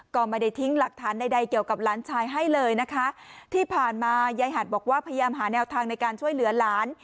ก็ไม่ได้ทิ้งหลักฐานใดใดเกี่ยวกับหลานชายให้เลยนะคะที่ผ่านมายายหัดบอกว่าพยายามหาแนวทางในการช่วยเหลือหลาน